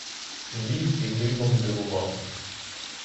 Біг і дивом дивував.